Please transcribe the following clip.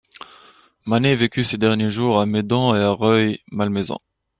Manet vécut ses derniers jours à Meudon et à Rueil-Malmaison.